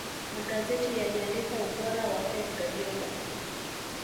magazeti yaliandika ubora wa pep guardiola